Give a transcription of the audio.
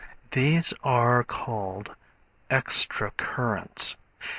These are called extra currents.